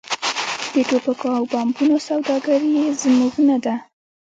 د ټوپکونو او بمونو سوداګري یې زموږ نه ده.